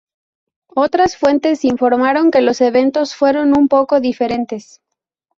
Otras fuentes informaron que los eventos fueron un poco diferentes.